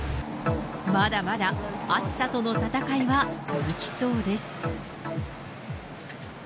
まだまだ暑さとの戦いは続きそうです。